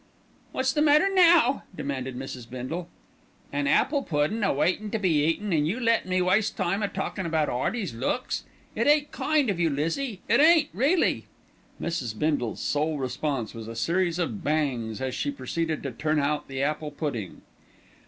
"What's the matter now?" demanded Mrs. Bindle. "An apple puddin' a waitin' to be eaten, an' you lettin' me waste time a talkin' about 'Earty's looks. It ain't kind of you, Lizzie, it ain't really." Mrs. Bindle's sole response was a series of bangs, as she proceeded to turn out the apple pudding.